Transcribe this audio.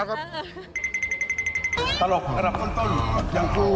ตลกสำหรับคนต้นอย่างกู